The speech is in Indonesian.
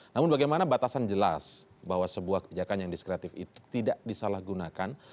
namun bagaimana batasan jelas bahwa sebuah kebijakan yang diskretif itu tidak disalahgunakan